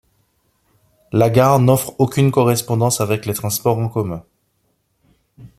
La gare n'offre aucune correspondance avec les transports en commun.